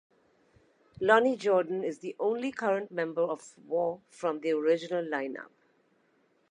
Lonnie Jordan is the only current member of War from the original lineup.